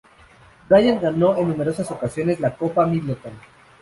Bryant ganó en numerosas ocasiones la Copa Middleton.